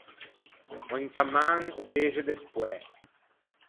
Ò inta man o dexe de spoæ.